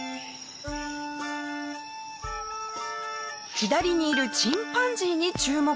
左にいるチンパンジーに注目。